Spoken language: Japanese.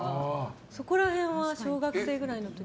そこら辺は小学生ぐらいの時に。